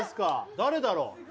誰だろう？